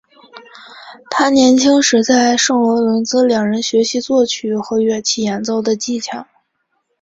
他年轻时在圣罗伦兹两人学习作曲和乐器演奏的技巧。